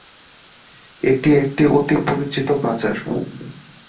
এটি একটি অতি পরিচিত বাজার।